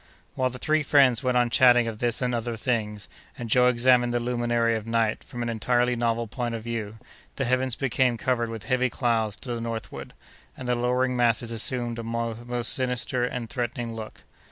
While the three friends went on chatting of this and other things, and Joe examined the luminary of night from an entirely novel point of view, the heavens became covered with heavy clouds to the northward, and the lowering masses assumed a most sinister and threatening look.